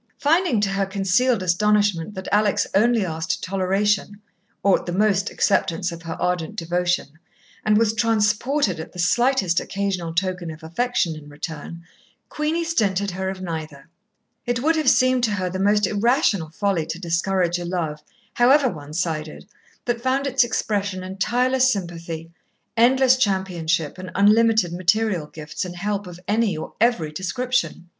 Finding to her concealed astonishment that Alex only asked toleration, or at the most acceptance of her ardent devotion, and was transported at the slightest occasional token of affection in return, Queenie stinted her of neither. It would have seemed to her the most irrational folly to discourage a love, however one sided, that found its expression in tireless sympathy, endless championship, and unlimited material gifts and help of any or every description.